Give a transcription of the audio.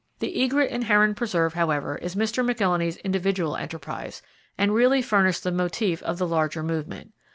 The egret and heron preserve, however, is Mr. McIlhenny's individual enterprise, and really furnished the motif of the larger movement.